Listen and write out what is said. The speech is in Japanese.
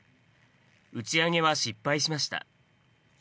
打ち上げは失敗しました。